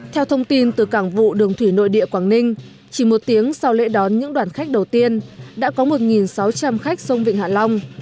theo thông tin từ cảng vụ đường thủy nội địa quảng ninh chỉ một tiếng sau lễ đón những đoàn khách đầu tiên đã có một sáu trăm linh khách sông vịnh hạ long